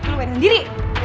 lo pengen sendiri